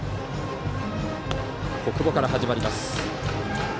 小久保から始まります。